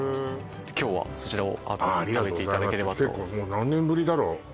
今日はそちらを食べていただければと何年ぶりだろう